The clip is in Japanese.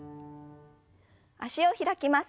脚を開きます。